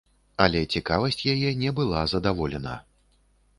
Але цікавасць яе не была задаволена.